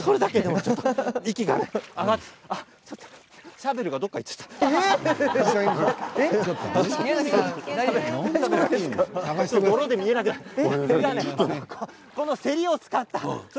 シャベルがどっかいっちゃった。